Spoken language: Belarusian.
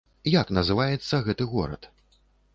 Як называецца гэты горад?